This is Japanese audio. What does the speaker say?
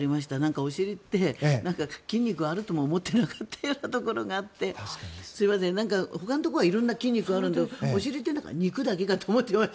お尻って筋肉があるとも思ってなかったようなところがあってすいません、ほかのところは色んな筋肉があるけどお尻って肉だけかと思ってました。